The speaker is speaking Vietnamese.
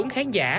lòng yêu mọi người